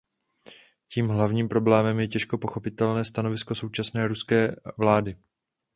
Tím hlavním problémem je těžko pochopitelné stanovisko současné ruské vlády.